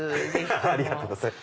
ありがとうございます。